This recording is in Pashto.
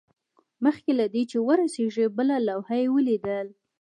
مخکې له دې چې ورسیږي بله لوحه یې ولیدل